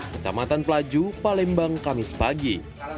kecamatan pelaju palembang kamis pagi